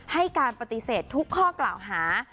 ให้การปฏิเสธทุกข้อกล่าวหา